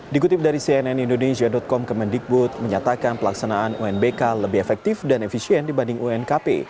dikutip dari cnn indonesia com kemendikbud menyatakan pelaksanaan unbk lebih efektif dan efisien dibanding unkp